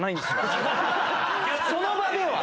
その場では。